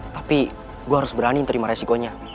tapi gue harus berani menerima resikonya